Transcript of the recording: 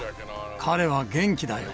彼は元気だよ。